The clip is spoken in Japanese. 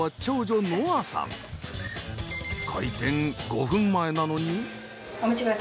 開店５分前なのに。